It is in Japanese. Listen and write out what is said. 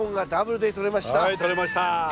はいとれました。